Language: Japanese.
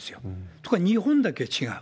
ところが日本だけは違う。